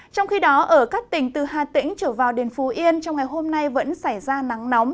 trong khi đó ở các tỉnh từ hà tĩnh trở vào điền phú yên trong ngày hôm nay vẫn xảy ra nắng nóng